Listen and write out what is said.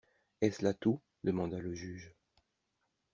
Est-ce là tout ? demanda le juge.